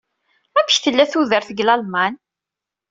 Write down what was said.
Amek tella tudert deg Lalman?